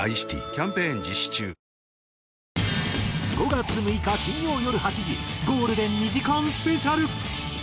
５月６日金曜よる８時ゴールデン２時間スペシャル。